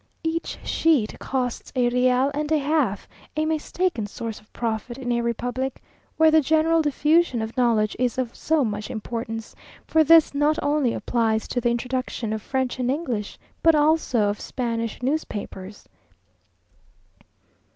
Each sheet costs a real and a half a mistaken source of profit in a republic, where the general diffusion of knowledge is of so much importance, for this not only applies to the introduction of French and English, but also of Spanish newspapers.